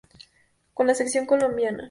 Con la selección Colombia.